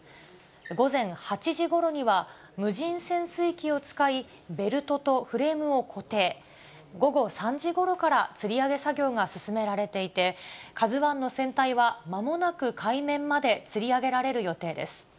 午前８時ごろには無人潜水機を使い、ベルトとフレームを固定、午後３時ごろからつり上げ作業が進められていて、ＫＡＺＵＩの船体は、まもなく海面までつり上げられる予定です。